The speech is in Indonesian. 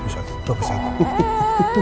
jadi dulu seinemu